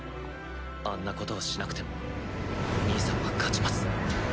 あんなことをしなくても兄さんは勝ちます。